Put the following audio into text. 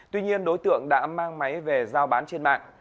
tuy nhiên đối tượng đã mang máy về giao bán trên mạng